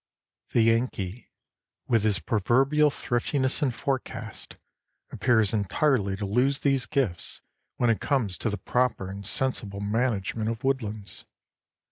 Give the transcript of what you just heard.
The Yankee, with his proverbial thriftiness and forecast, appears entirely to lose these gifts when it comes to the proper and sensible management of woodlands.